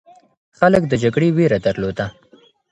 خلک د جګړې ویره درلوده.